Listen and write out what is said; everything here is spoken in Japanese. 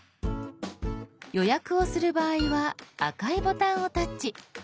予約をする場合は赤いボタンをタッチ。